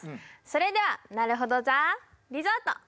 それではなるほど・ザ・リゾート！